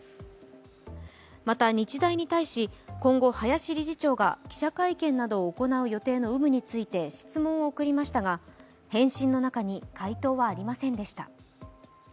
また日大に対し今後、林理事長が記者会見などを行う予定の有無について質問を送りましたが、返信の中に回答はありませんでした。